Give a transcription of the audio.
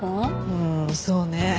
うんそうね。